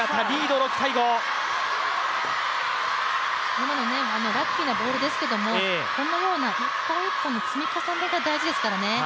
今のはラッキーなボールですけれども、このような１本１本の積み重ねが大事ですからね。